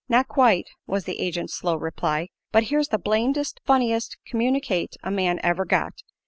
"Not quite," was the agent's slow reply; "but here's the blamedest funniest communicate a man ever got!